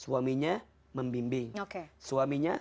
suaminya membimbingi suaminya